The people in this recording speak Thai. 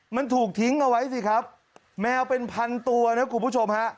มันถูกทิ้งเอาไว้สิครับแมวเป็นพันตัวนะคุณผู้ชมฮะ